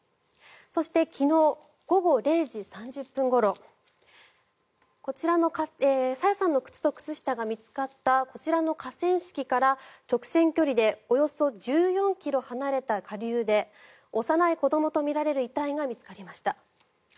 そして、昨日午後０時３０分ごろ朝芽さんの靴と靴下が見つかったこちらの河川敷から直線距離でおよそ１４ｋｍ離れた下流で幼い子どもとみられる遺体が見つかりました。